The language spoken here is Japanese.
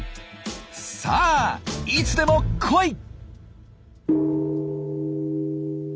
さあいつでも来い！